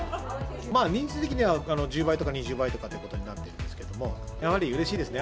人数的には、１０倍とか２０倍とかっていうことになってるんですけれども、やはりうれしいですね。